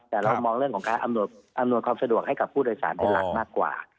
แต่เรามองเรื่องของการอำนวยความสะดวกให้กับผู้โดยสารเป็นหลักมากกว่า